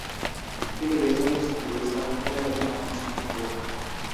তিনি বেসবলের Saint Louis কার্ডিনালের একজন একনিষ্ঠ ভক্ত।